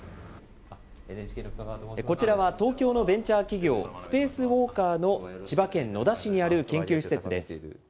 こちらは東京のベンチャー企業、ＳＰＡＣＥＷＡＬＫＥＲの千葉県野田市にある研究施設です。